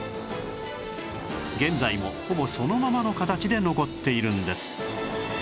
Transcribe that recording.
現在もほぼそのままの形で残っているんです